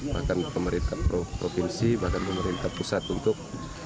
bahkan pemerintah provinsi bahkan pemerintah pusat untuk